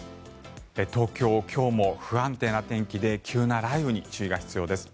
東京、今日も不安定な天気で急な雷雨に注意が必要です。